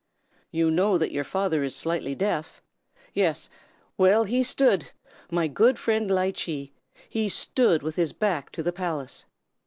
You know that your father is slightly deaf? Yes. Well, he stood my good friend Ly Chee he stood with his back to the palace.